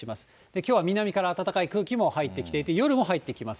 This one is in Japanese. きょうは南から暖かい空気も入ってきていて、夜も入ってきます。